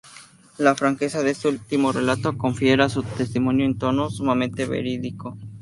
La franqueza de este último relato confiere a su testimonio un tono sumamente verídico.